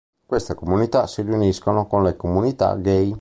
Queste comunità si riuniscono con le comunità gay.